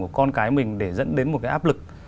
con cái mình để dẫn đến một cái áp lực